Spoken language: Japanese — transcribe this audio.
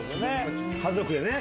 家族でね。